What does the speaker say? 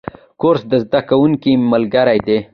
کورس د زده کوونکو ملګری دی.